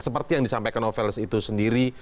seperti yang disampaikan novel itu sendiri